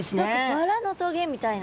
バラのトゲみたいな。